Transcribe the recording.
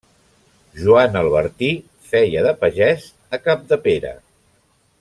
Joan Albertí feia de pagès a Capdepera.